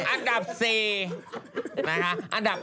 อันดับ๔ค่ะพี่